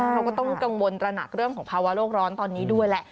เขาก็ต้องกังวลตระหนักเรื่องของภาวะโลกร้อนตอนนี้ด้วยแหละ